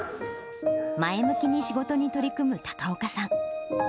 前向きに仕事に取り組む高岡さん。